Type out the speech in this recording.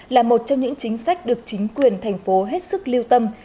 là một trong những chính sách được chính quyền thành phố hết sức lưu tâm